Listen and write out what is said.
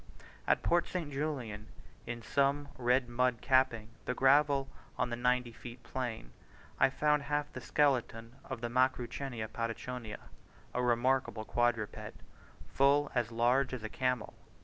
At Port St. Julian, in some red mud capping the gravel on the 90 feet plain, I found half the skeleton of the Macrauchenia Patachonica, a remarkable quadruped, full as large as a camel.